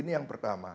ini yang pertama